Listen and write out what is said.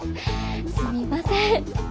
すみません。